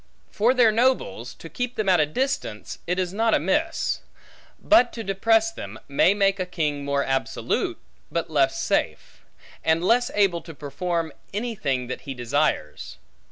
For their nobles; to keep them at a distance, it is not amiss; but to depress them, may make a king more absolute, but less safe; and less able to perform, any thing that he desires.